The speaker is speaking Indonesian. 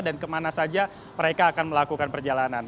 dan kemana saja mereka akan melakukan perjalanan